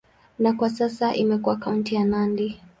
Kwa sasa imekuwa kaunti ya Nandi.